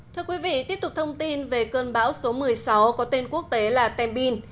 thưa quý vị tiếp tục thông tin về cơn bão số một mươi sáu có tên quốc tế là tembin